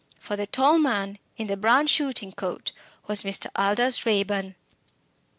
For the tall man in the brown shooting coat was Mr. Aldous Raeburn.